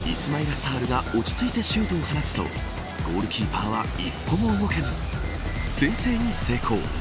イスマイラ・サールが落ち着いてシュートを放つとゴールキーパーは一歩も動けず先制に成功。